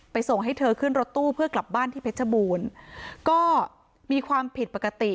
ส่งให้เธอขึ้นรถตู้เพื่อกลับบ้านที่เพชรบูรณ์ก็มีความผิดปกติ